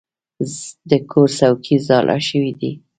د کور څوکۍ زاړه شوي دي.